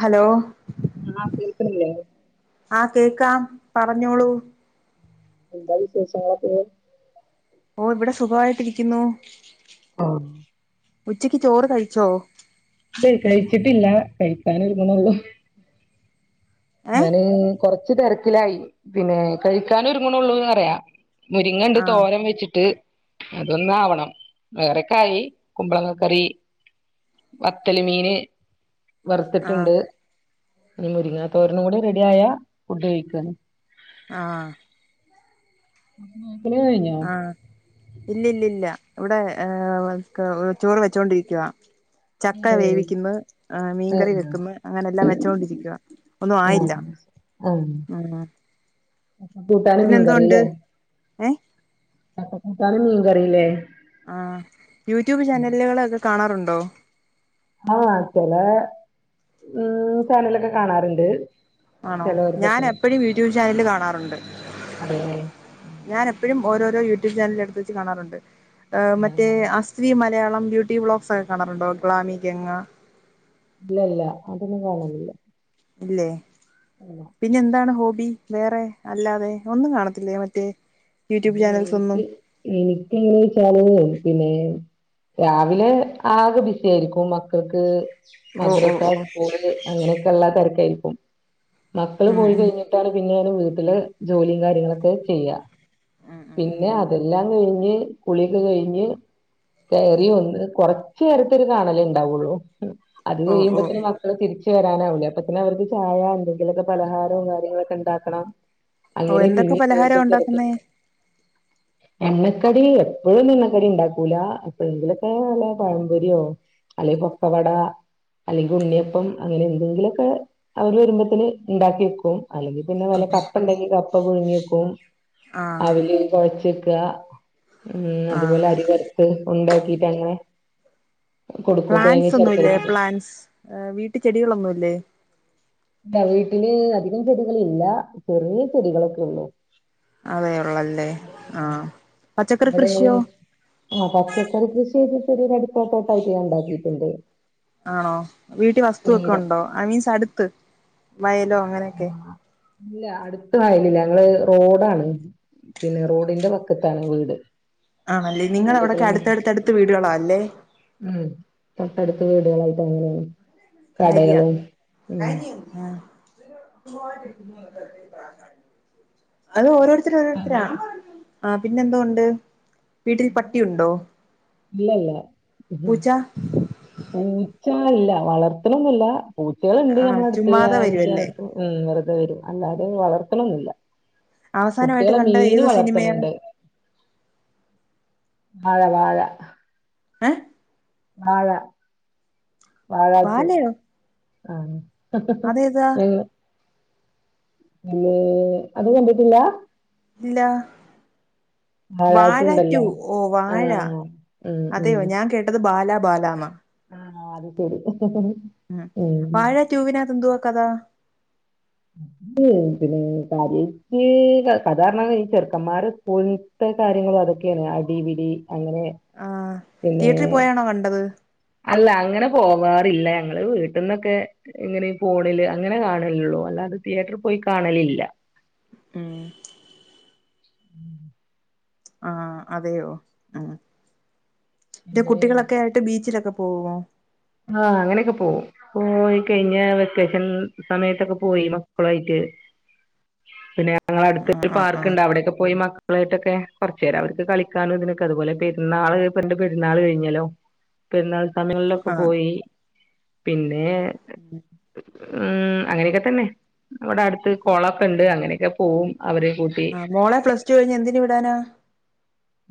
Hello ഹ് ആഹ് കേക്ക്ണില്ലേ ആഹ് കേക്കാം പറഞ്ഞോ എന്താ വിശേഷങ്ങളൊക്കെ ഓഹ് ഇവിടെ സുഖവായിട്ടിരിക്കുന്നൂ ഓഹ് ഉച്ചയ്ക്ക് ചോറ് കഴിച്ചോ ഇല്ലേ കഴിച്ചിട്ടില്ലാ കഴിക്കാനൊരുങ്ങണ്ള്ളൂ ഏ ഞാന് കൊറച്ച് തിരക്കിലായി പിന്നെ കഴിക്കാന് ഒര്ങ്ങണ്ള്ളൂന്ന്റയാ മുരിങ്ങണ്ട് ആ തോരം വെച്ചിട്ട് അതൊന്നാവണം വേറെക്കായി കുമ്പളങ്ങക്കറീ വത്തല് മീന് ആ വർത്തിട്ട്ണ്ട് ഇനി മുരിങ്ങാത്തോരനും കൂടെ റെഡിയായ ഫുഡ് കഴിക്കാന് ആഹ് [unintelligible] കഴിഞ്ഞാ ഇല്ല ല്ല ല്ലാഹ് ഇവിടെ ഏഹ് ക്കെ ചോറ് വെച്ചോണ്ടിരിക്കിയാ ചക്ക ഏഹ് വേവിക്ക്ന്ന് ഏഹ് മീൻകറി വെക്ക്ന്ന് അങ്ങനെല്ലാം വെച്ചൊണ്ടിരിക്കുവാ ഒന്നും ആയില്ല ആഹ് ആഹ് കൂട്ടാനും പിന്നെന്തോ ഉണ്ട് ഏഹ് ചക്കകൂട്ടാനും മീൻ കറിലേ ആഹ് യൂട്യൂബ് ചാനല്ല്കളൊക്കെ കാണാറുണ്ടോ ആഹ് ചെല ഉം ചാനലൊക്കെ കാണാറ്ണ്ട് ആണോ ഞാനെ എപ്പഴും യൂട്യൂബ് ചാനല്ല് കാണാറുണ്ട് അതെല്ലേ ഞാനെപ്പഴും ഓരോ രോ യൂട്യൂബ് ചാനല് എട്ത്ത് വച്ച് കാണറുണ്ട് ഏഹ് മറ്റേ ആഹ് അസ്ലി മലയാളം ബ്യൂട്ടി വ്ലോഗ്സ് ക്കെ കാണാറുണ്ടോ ഗ്ലാമി ഗംഗാ ഇല്ല ഇല്ല അതൊന്നും കാണാറില്ല ഇല്ലേ ഇല്ല പിന്നെ എന്താണ് ഹോബി വേറെ അല്ലാതെ ഒന്നും കാണത്തില്ലേ മറ്റേ യൂട്യൂബ് പിന്നെ ചാനൽസ് ഒന്നും എനിക്ക് എങ്ങനെച്ചാല് പിന്നെ രാവിലെ ആകെ ബിസി ആയ്രിക്കും മക് ക്കക്ക് ഓ ഓ മദ്രസാ ഓ സ്കൂള് അങ്ങനെയൊക്കെ ഒള്ള തെരക്കായിരിക്കും മക്കള് ഉം പോയി ഉം കഴിഞ്ഞിട്ടാണ് പിന്നെയാണ് വീട്ടിലേ ജോലിയും കാര്യങ്ങളൊക്കെ ചെയ്യാ ഉം ഉം ഉം പിന്നെ അതെല്ലാം കഴിഞ്ഞ് കുളിയൊക്കെ കഴിഞ്ഞ് കേറി ഒന്ന് കൊറച്ച് നേരത്തെ ഒരു കാണലേ ണ്ടാവൊള്ളൂ അത് ഓ ഓ കഴിയുമ്പോതിന് മ ക്കൾ തിരിച്ച് വെരാനാവുല്ലേ അപ്പതിന് അവർക്ക് ചായ എന്തെങ്കിലൊക്കെ പലഹാരവും കാര്യങ്ങളൊക്കെ ണ്ടാക്കണം ഓ അങ്ങനേ എന്തൊക്കെ പിന്നെ വീണ്ടും പലഹാരം ഉണ്ടാക്കുന്നേ തിരക്കായിരിക്കു എണ്ണക്കടി എപ്പഴും ഒന്നും എണ്ണക്കടി ണ്ടാക്കൂലാ എപ്പഴെങ്കിലൊക്കേ വല്ല പഴമ്പൊരിയോ അല്ലേ പൊക്കവടാ അല്ലെങ്കി ഉണ്ണിയപ്പം അങ്ങനെ എന്തെങ്കിലും ഒക്കെ അവർ വരുമ്പത്തെന് ഇണ്ടാക്കി വെക്കും അല്ലെങ്കി പിന്നെ ഓ നല്ല കപ്പണ്ടെങ്കി കപ്പ പുഴുങ്ങിക്കും ആഹ് അവില് കൊഴച്ചക്കാ ഉം അതുപോലെ ആഹ് അരിവറുത്ത് ഉണ്ടായാക്കീട്ട് അങ്ങനെ കൊടുക്കും തേങ്ങേ ശർക്കരേക്കെ ഇട്ട് അൻസ് ഏഹ് വീട്ടി ചെടികളൊന്നുല്ലേ ഇല്ല വീട്ടില് അധികം ചെടികൾ ഇല്ലാ ചെറിയ ചെടികളൊക്കെ ഉള്ളൂ അതേ ഒള്ളല്ലേ ആഹ് പച്ചക്കറി അവിടെ എങ്ങനെ കൃഷിയോ ആഹ് പച്ചക്കറി കൃഷിയക്കെ ചെടീടെ അട്ത്തൊക്കെ ആയിട്ട് ഞാൻ ഒണ്ടാക്കിയിട്ടുണ്ട് ആണോ വീട്ടിൽ വസ്തുവൊക്കെ ഒണ്ടോ ഐ മീൻസ് അടുത്ത് വയലോ അങ്ങനെയൊക്കെ ആഹ് ഇല്ലാ അടുത്ത് കായലില്ല ഞങ്ങള് റോഡാണ് പിന്നെ റോഡിന്റെ വക്കത്താണ് വീട് ആണല്ലേ നിങ്ങൾ അവിടൊക്കെ വയലുകളും അടുത്തടുത്തടുത്ത് വീടുകളാ അല്ലേ ഉം അടുത്തടുത്ത് വീടുകളായിട്ട് അങ്ങനെ കടകളും ഉം ആഹ് അത് ഓരോരു ത്തരോരുത്തരാ ആഹ് പിന്നെ എന്തോ ഒണ്ട് ഇല്ലല്ലാ പൂച്ച പൂച്ചാ ഇല്ല വളർത്തണൊന്നുല്ലാ പൂച്ചകളുണ്ട് ആ ഞമ്മളടുത്ത് ആ ചുമ്മാതെ [unintelligible] വരുവല്ലേ ഉം വെറുതേ വെരും അല്ലാതേ വളർത്തണൊന്നും ഇല്ല അവസാനമായിട്ട് കുട്ടികള് കണ്ട മീന് ഏത് സിനിമയാ വളർത്തണണ്ട് മഴ വാഴ ഏഹ് വാഴ വാഴാ ടൂ ബാലയോ ആഹ് അതേതാ [unintelligible] [unintelligible] അത് കണ്ടിട്ടില്ലാ ഇല്ലാ വാഴ ടു വാഴാ ഉണ്ടല്ലോ ടൂ ഓഹ് വാഴ ആഹ് ഉം ഉം അതെയോ ഞാൻ കേ ട്ടത് ബാലാ ബാലാന്നാ ആഹ് അത് ശെരി ഉം വാഴ ട്യൂവിനാത്ത് എന്തുവാ കഥാ [unintelligible] കാര്യക്ക് ക കധാരണ ഈ ചെറുക്കന്മാരെ പോ ത്തെ കാര്യങ്ങളും അതൊക്കെയാണ് അടീ പിടീ അങ്ങനേ ആഹ് തിയേറ്ററി പോയാണോ കണ്ടത് അല്ല അങ്ങനെ പോവാറില്ല ഞങ്ങള് വീട്ട്ന്നൊക്കേ എങ്ങനേ ഈ ഫോണില് അങ്ങനെ കാണലുള്ളൂ അല്ലാതെ തിയേറ്ററി പോയി കാണലില്ല ഉം ആഹ് അതെയോ ഉം [unintelligible] പിന്നെ കുട്ടികളൊക്കെ ആയിട്ട് ബീച്ചിലൊക്കെ പോകുവോ ആഹ് അങ്ങനെക്കെ പോകും പോയി കഴിഞ്ഞ വെക്കേഷൻ സമയത്തൊക്കെ പോയി മക്കളും ആയിട്ട് പിന്നെ ഞങ്ങള ആഹ് അടുത്തൊരു ആഹ് ആഹ് പാർക്ക്ണ്ട് അവിടെക്കെ പോയി മ ക്കളായിട്ടൊക്കെ കൊറച്ച് നേരം അവർക്ക് കളിക്കാനും ഇതിനൊക്കെ അതുപോലെ പെന്നാള് [unintelligible] പെരുന്നാള് കഴിഞ്ഞലോ പെരുന്നാൾ സമയങ്ങളിലൊക്കെ ആഹ് പോയീ പിന്നേ ഉം അങ്ങനെയൊക്കെ തന്നെ വ്ടെ അടുത്ത് കോളൊക്കെ ഉണ്ട് അങ്ങനെയൊക്കെ പോവും അവര് ആഹ് മോളെ പ്ലസ് ടു കഴിഞ്ഞ് എന്തിന് വിടാനാ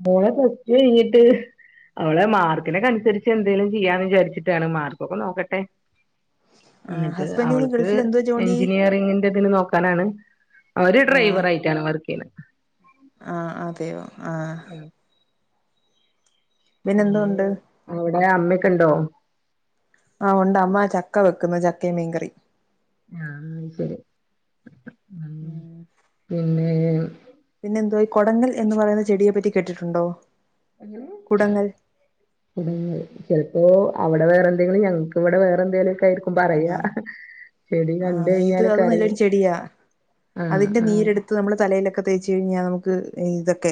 മോളെ പ്ലസ് ടു കഴഞ്ഞീട്ട് അവള് മാർക്കിനൊക്ക അനുസരിച്ച് എന്തെങ്കലും ചെയ്യാന്ന് വിചാരിച്ചിട്ടാണ് മാർക്കൊക്കെ നോക്കട്ടെ ആഹ് ന്നിട്ട് ഹസ്ബൻഡിന് അവൾക്ക് ഗൾഫിൽ എന്തോ ജോലി എഞ്ചിനീയറിങ്ങിന്റെതിന് നോക്ക നാണ് ആ ഓര് ഡ്രൈവർ ആയിട്ടാണ് വർക്കെയ്യുന്നത് ആഹ് ആഹ് അതെയോ ആഹ് പിന്നെന്തോണ്ട് വിടെ അമ്മക്കണ്ടോ ആഹ് ഉണ്ട് അമ്മ ചക്ക വെക്കുന്നു ചക്കേം മീൻകറി ആഹ് ന ശരി ഉം പിന്നെ. ഉംമ് [unintelligible] പിന്നെ എന്തോ ഈ കൊടങ്ങൽ എന്ന് പറയുന്ന ചെടിയെ പറ്റി കേട്ടിട്ടുണ്ടോ? കുടങ്ങൽ [unintelligible] ഉം, ചിലപ്പോ അവിടെ വേറെ എന്തെങ്കിലും, ഞങ്ങക്ക് ഇവിടെ വേറെ എന്തെങ്കിലും ഒക്കെ ആയി പറയാ, ആഹ് ചെടി ആഹ് ഇത് കണ്ടഴിഞ്ഞാലൊക്കെ അത് അറിയോ? നല്ലൊരു ചെടിയാ ആ. അതിന്റെ നീരെടുത്ത് നമ്മൾ തലയിലൊക്കെ തേച്ചു കിഞ്ഞാൽ നമുക്ക് ഇതൊക്കെ്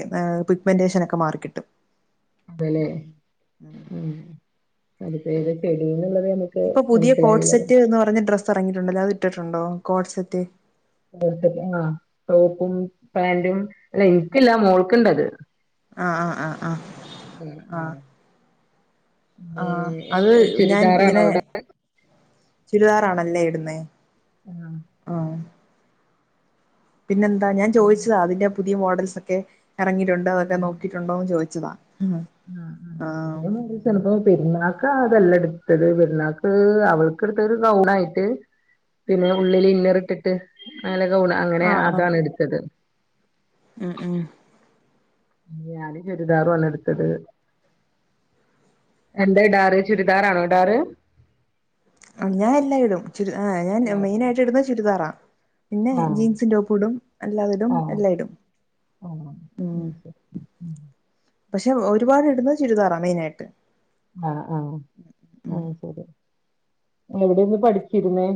പിഗ്മെന്റേഷന ഒക്കെ മാറിക്കിട്ടും. അതലേ ഉം ഉം ഉമ [unintelligible] ഇപ്പോ പുതിയ കോട്സെറ്റ് എന്ന് പറഞ്ഞ ഡ്രസ്സ് ഇറങ്ങിയിട്ടുണ്ടല്ലോ, അത് ഇട്ടിട്ടുണ്ടോ കോട്സെറ്റ്? [unintelligible] ആ ടോപ്പും പാന്റും അല്ല എനിക്കില്ല മോൾക്ക്ണ്ടത്. ആ, ആ, ആ, ആ. ഉം, ഉം. ആ, അത് ഞാൻ ചുരിദാറാണോ ഇങ്ങനെ അവിടെ ചുരിദാറാണല്ലേ ഇടുന്നേ. ആ. പിന്നെ എന്താ ഞാൻ അവിടെ ചോദിച്ചതാ അതിന്റെ പുതിയ മോഡൽസ് ഒക്കെ ഇറങ്ങിയിട്ടുണ്ട് അതൊക്കെ നോക്കിയിട്ടുണ്ടോന്ന് ചോദിച്ചതാ, ഉം. ആ. ആ. പുതിയ മോഡൽസ് ചെലപ്പോ പെരുന്നാക്ക് അതല്ല എടുത്തത് പെരുന്നാക്ക് അവൾക്ക് എടുത്തത് ഒരു ഗൗൺ ആയിട്ട് പിന്നെ ഉള്ളിൽ ഇന്നർ ഇട്ടിട്ട് അല്ല ഗൗൺ അങ്ങനെ അതാണ് എടുത്തത്. എ, എ. ഞാന്‌ ചുരിദാറു ആണ് എടുത്തത്. എന്താ ഇടാർ ചുരിദാറാണോ ഇടാറ്? ഞാ എല്ലാം ഇടും. ഞാൻ മെയിനായിട്ടു ഇടുന്നത് ചുരിദറ. പിന്നെ ആ ആ ജീൻസും ടോപ്പും ഇടും, അല്ലാതടും ആ എല്ലായിടും. ആ ഉം. ശരി ഉം പക്ഷേ, ഒരുപാട് ഇടുന്ന ചുരിദാറാ മെയിൻ ആയിട്ട്. ആ, ആ, ആഹ് ശരി എവിടെന്ന് പഠിച്ചിരുന്നേ?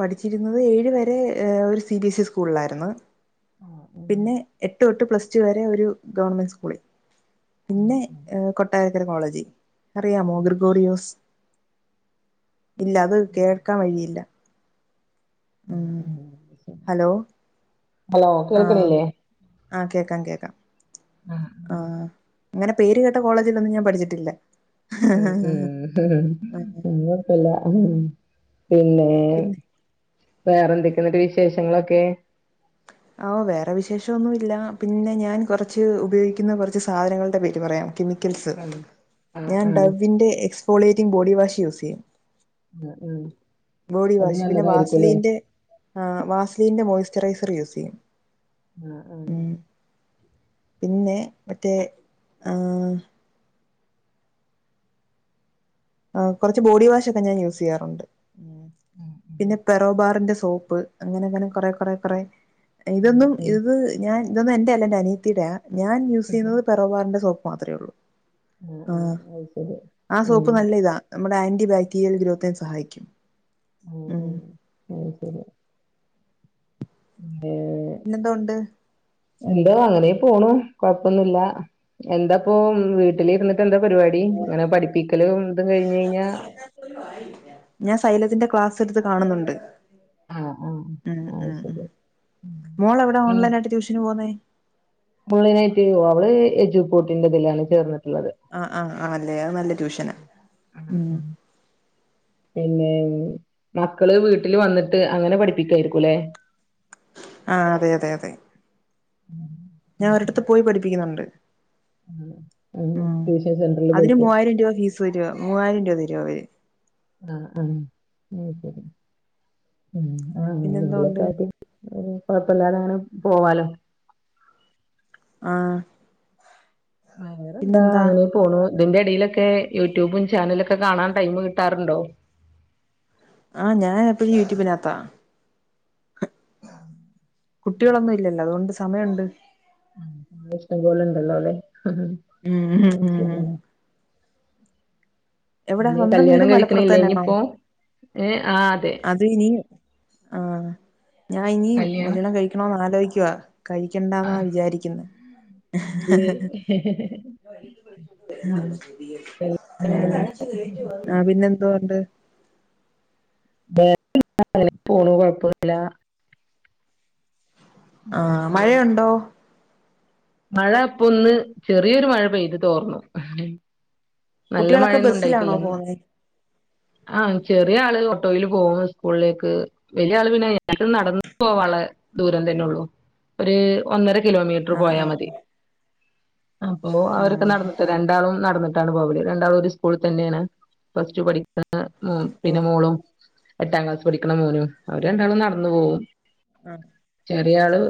പഠിച്ചിരുന്നത് ഏഴ് വരെ ഒരു സി ബി എസ് ഇ സ്കൂളിലായിരുന്നു. ആ ഉം പിന്നെ എ എട്ട് തോട്ട് പ്ലസ് ടു വരെ ഒരു ഗവൺമെന്റ് സ്കൂളിൽ ആ പിന്നെ ആ കൊ ട്ടാരക്കര കോളേജ്, അറിയാമോ ആ ഗ്രഗോറിയോസ്? ഇല്ല അത് കേൾക്കാൻ വഴിയില്ല. ഉം, ആ ആ ശരി ഹലോ, ഹലോ ആ. കേൾക്കണില്ലേ ആ, കേക്കാം, കേക്കാം. ആ. ആ, അങ്ങനെ പേര് കേട്ട കോളേജിലൊന്നും ഞാൻ പഠിച്ചിട്ടില്ല. ഉം, ഉം. ആ പിന്നേ എത്തുല്ല പിന്നെ പിന്നെ വേറെ എന്തൊക്കെ ന്നിട്ട് വിശേഷങ്ങളൊക്കെ? വേറെ വിശേഷംന്നുമില്ല. പിന്നെ ഞാൻ കുറച്ച് ഉപയോഗിക്കുന്ന കുറച്ച് സാധനങ്ങളുടെ പേര് പറയാം കെ മിക്കൽ സ് ആഹ് ആഹ് ഞാൻ ആഹ് ഡവിന്റെ എക്സ്ഫോളേറ്റിംഗ് ബോഡി വാഷ് യൂസ് ചെയ്യും. ആഹ് ആഹ് ബോഡി അത് വാഷ് പിന്നെ നല്ലതായിരിക്കുംല്ലേ വാസലിന്റെ ആ, വാസലിന്റെ മോയ്സ്ചറൈസർ യൂസ് ചെയ്യും. ആഹ് ആഹ് ഉം. പിന്നെ, മറ്റേ, ആ. ഹ് കുറച്ച് ബോഡി വാഷ് ഒക്കെ ഞാൻ യൂസ് ചെയ്യാറുണ്ട്. പിന്നെ പെറോബാറിന്റെ സോപ്പ് അങ്ങനെ, അങ്ങനെ കൊറെ, കുറെ, കുറെ ഉം ഇതൊന്നും ഉം ഇത് ഞാൻ ഇതൊന്നും എന്റെയല്ല എന്റെ അനീത്തിയുടെയാ. ഞാൻ യൂസ് ചെയ്യുന്നത് പെറോവാറിന്റെ സോപ്പ് മാത്രമേ ഉള്ളൂ ആഹ് ആ, ആഹ് അത് ശരി ആ, ഉം സോപ്പ് ത നമ്മുടെ ആന്റിബാക്ടീരിയൽ ഗ്രോത്തിനെ സഹായിക്കും ഉം അത് ശരി മ [inaudible] പിന്നെന്തോയുണ്ട് എന്താ അങ്ങനെ പോണു എന്താപ്പ കൊഴപ്പൊന്നുല്ല എന്താപ്പ വീട്ടില് ഇരുന്നിട്ട്- ഇപ്പ എന്താ പരിപാടി ഇങ്ങനെ പഠിപ്പിക്കലും ഇതും കഴിഞ്ഞ് കഴിഞ്ഞാ- ഞാൻ സൈലത്തിന്റെ ക്ലാസ് എടുത്ത് കാണുന്നുണ്ട് ആഹ് ആഹ് ഉം അത് ഉം ശരി മോൾ എവിടെയാ ഓൺലൈൻ ആയിട്ട് ട്യൂഷന് പോവുന്നെ ഓൺലൈൻയിട്ട് അവള് എജുപോർട്ടിന്റെ ഇതിലാണ് ചേർന്നിട്ടുള്ളത് ആഹ് ആഹ് ആണല്ലേ അത് നല്ല ട്യൂഷനാ [inaudible] പിന്നെ മക്കള് വീട്ടിൽ വന്നിട്ട് അങ്ങനെ പഠിപ്പിക്കായിരിക്കൂല്ലെ ആഹ് അതെ അതെ അതെ ഉം [inaudible] അവരെടുത്തു പോയി പഠിപ്പിക്കുന്നുണ്ട് ഉം ട്യൂഷൻ സെന്ററിൽ അയിന് പോയിട്ട് മൂവായിരം രൂപാ ഫീസ് വെരുവാ പത്തു മൂവായിരം രൂപ തരും അവര് ആഹ് ആഹ് അയ്ശരി ഉം പിന്നെന്തോണ്ട് എന്തെങ്കിലൊക്കെയൊരു- ഒരു കൊഴപ്പമില്ലാതെ അങ്ങനെ പോവാലോ ആഹ് വയറെന്താ അങ്ങനെ ഇ പോണു ഇതിന്റെ ഇടയിലൊക്കെ യൂട്യൂബും ചാനലൊക്കെ കാണാൻ ടൈമ് കിട്ടാറുണ്ടോ ആഹ് ഞാനെപ്പോഴും യൂട്യൂബിനകത്താ കുട്ടികളൊന്നും ഇല്ലല്ലോ അതുകൊണ്ട് സമയുണ്ട് ഇഷ്ടം പോലെ ഉണ്ടല്ലോ അല്ലേ ഉം ഉം ഉം എവിടെ പിന്നെ സ്വന്തം വീട് കല്യാണം കഴിക്കണില്ലേ മലപ്പുറത്തെന്നയാണോ ആഹ് ഇനിയിപ്പോ ഏഹ് ആഹ് അതെ അത് ഇനി ആഹ് ഞാൻ ഇനിയും കല്യാണം കഴിക്കണോന്നു ആലോചിക്കുവ കഴിക്കണ്ടന്നാ ആ വിചാരിക്കുന്നെ ഇത് വെള്ളം വേണ്ട ആഹ് പിന്നെ എന്തോയുണ്ട് വേറേ എന്താ അങ്ങനെ പോണു കൊഴപ്പില്ല ആഹ് മഴയുണ്ടോ മഴ ഇപ്പൊ ഒന്ന് ചെറിയൊരു മഴ പെയ്ത് തോർന്നു നല്ല കുട്ടികളൊക്കെ മഴയൊന്നും ബസ്സിലാണോ ഉണ്ടായിട്ടില്ലെന്ന് പോന്നെ ആഹ് ചെറിയ ആള് ഓട്ടോയിൽ പോവും സ്കൂളിലേക്ക് വലിയ ആള് പിന്നെ നടന്ന പോവാളേ ദൂരം തന്നെയെള്ളു ഒരു ഒന്നര കിലോമീറ്റർ ആഹ് പോയാ മതി അപ്പൊ ആഹ് അവരൊക്കെ ഉം നടന്ന്- രണ്ടാളും നടന്നിട്ടാണ് പോവല് രണ്ടാളും ഒരു സ്കൂളിൽ തന്നെയാണ് പ്ലസ് ടു പഠിക്ക ഓ പിന്നെ മോളും എട്ടാം ക്ലാസ് പഠിക്കണ മോനും അവര് രണ്ടാളും നടന്നു പോവും ആഹ് ചെറിയാള്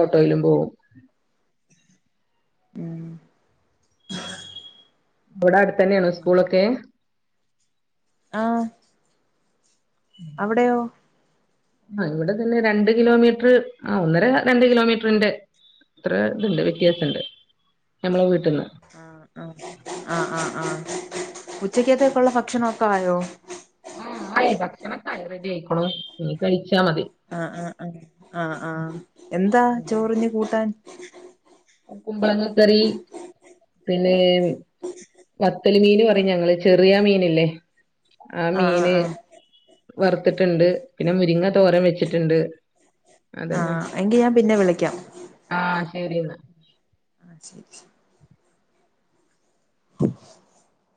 ഓട്ടോയിലും പോവും ഉം [inaudible] ഇവടെ അടുത്തന്നെയാണോ ഉം സ്കൂളൊക്കെ ആഹ് അവിടെയോ ആ ഇവിടെ തന്നെ രണ്ട് കിലോമീറ്റർ ആ ഒന്നര രണ്ട് കിലോമീറ്ററിന്റെ- അത്ര ഇത്ണ്ട് വ്യത്യാസണ്ട് ഞമ്മളെ വീട്ട്ന്ന് ആ ആ ആ ആ ആ ഉച്ചക്കെത്തേക്കള്ള ഭക്ഷണ ഒക്ക ആയോ ആ ആയി ഭക്ഷണക്കായി റെഡി ആയിക്കുണു ഞ്ഞ് കഴിച്ചാ മതി അ ആഹ് ആ ആഹ് ആഹ് എന്താ ചോറിഞ്ഞ് കൂട്ടാൻ കുമ്പളങ്ങക്കറി പിന്നെ വത്തല് മീന് പറയും ഞങ്ങള് ചെറിയാ മീന്ല്ലേ ആ ആഹ് ആഹ് മീന് ആഹ് വർത്ത്ട്ട്ണ്ട് പിന്നെ മുരിങ്ങ തോരം വെച്ച്ട്ട്ണ്ട് അതന്നെ ആഹ് എങ്കി ഞാൻ പിന്നെ വിളിക്കാം ആ ശരി ന്നാ അ